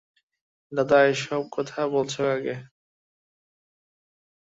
দাদা, এ-সব কথা বলছ কাকে?